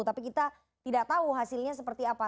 tapi kita tidak tahu hasilnya seperti apa